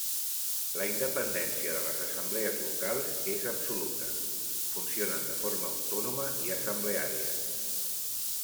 La independència de les assemblees locals és absoluta, funcionen de forma autònoma i assembleària.